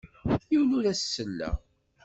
Yiwen ur as-selleɣ.